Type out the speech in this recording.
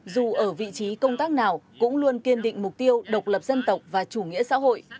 dù ở vị trí công tác nào cũng luôn kiên định mục tiêu độc lập dân tộc và chủ nghĩa xã hội